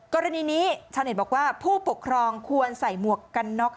กรณีนี้ชาวเน็ตบอกว่าผู้ปกครองควรใส่หมวกกันน็อก